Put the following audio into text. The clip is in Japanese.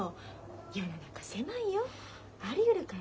世の中狭いよありうるから。